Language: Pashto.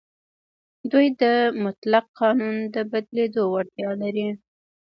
دوی د مطلق قانون د بدلېدو وړتیا لري.